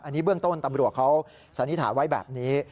อันนี้เบื้องต้นตำรวจเขาสันนิษฐานไว้แบบนี้